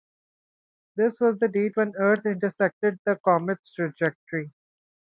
This was the date when Earth intersected the comet's trajectory.